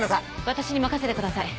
「私に任せてください」